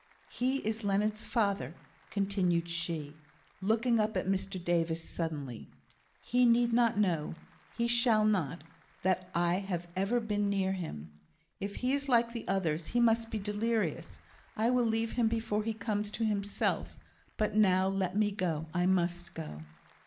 "He is Leonard's father," continued she, looking up at Mr Davis suddenly. "He need not know he shall not that I have ever been near him. If he is like the others, he must be delirious I will leave him before he comes to himself but now let me go I must go."